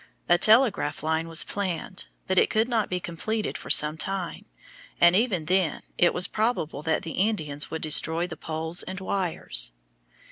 A telegraph line was planned, but it could not be completed for some time, and even then it was probable that the Indians would destroy the poles and wires.